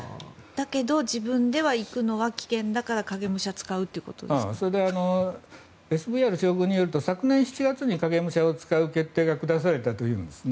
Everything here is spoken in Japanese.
だけど自分で行くのは危険だからＳＶＲ将軍によると昨年影武者を使う決定が下されたんですね。